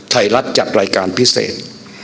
ไทยรัฐจัดรายการพิเศษ